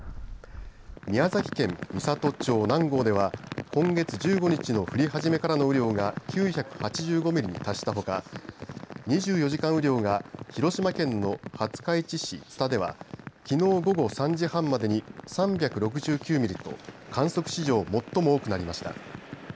宮崎県美郷町南郷では今月１５日の降り始めからの雨量が９８５ミリに達したほか２４時間雨量が広島県の廿日市市津田ではきのう午後３時半までに３６９ミリと観測史上、最も多くなりました。